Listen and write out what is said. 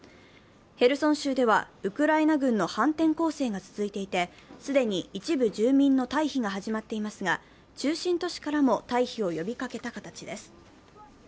ヘルソン州ではウクライナ軍の反転攻勢が続いていて既に一部住民の退避が始まっていますが、中心都市からも退避を呼びかけた形です。